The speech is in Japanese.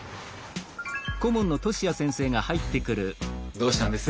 どうしたんです？